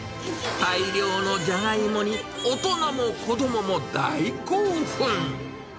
大量のジャガイモに大人も子どもも大興奮。